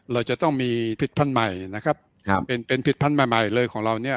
เราจะต้องมีพิธพรรณใหม่เป็นพิธพรรณใหม่เลยของเรา